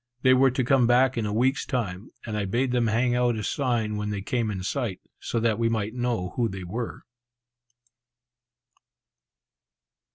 They were to come back in a week's time, and I bade them hang out a sign when they came in sight, so that we might know who they were.